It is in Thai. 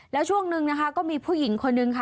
แล้วช่วงหนึ่งก็มีผู้หญิงคนหนึ่งค่ะ